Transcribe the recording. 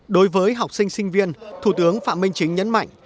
đối với học sinh sinh viên thủ tướng phạm minh chính nhấn mạnh